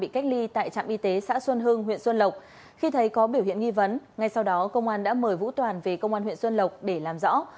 khi thấy có biểu hiện nghi vấn ngay sau đó công an đã mời vũ toàn về công an huyện xuân lộc để làm rõ